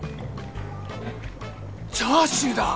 チャーシューだ！